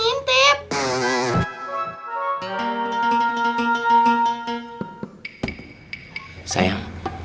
kita tunggu di depan aja yuk